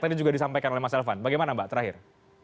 tadi juga disampaikan oleh mas elvan bagaimana mbak terakhir